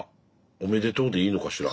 おめでとうでいいのかしら？